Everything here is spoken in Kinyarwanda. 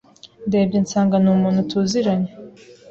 ndebye nsanga ni umuntu tuziranye